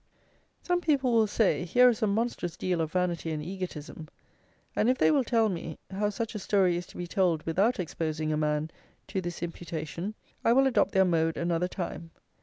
Some people will say, here is a monstrous deal of vanity and egotism; and if they will tell me, how such a story is to be told without exposing a man to this imputation, I will adopt their mode another time.